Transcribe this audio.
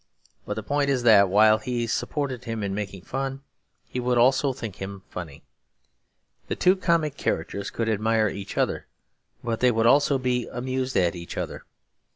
But the point is that, while he supported him in making fun, he would also think him funny. The two comic characters could admire each other, but they would also be amused at each other.